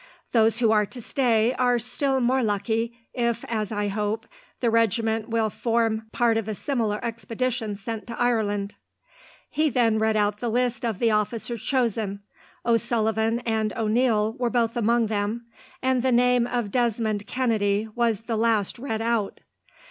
Those who are to stay are still more lucky, if, as I hope, the regiment will form part of a similar expedition sent to Ireland." He then read out the list of the officers chosen. O'Sullivan and O'Neil were both among them, and the name of Desmond Kennedy was the last read out.